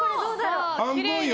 半分よ。